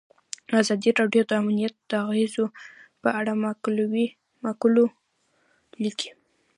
ازادي راډیو د امنیت د اغیزو په اړه مقالو لیکلي.